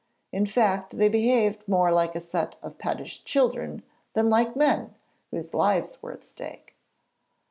In fact, they behaved more like a set of pettish children than like men, whose lives were at stake.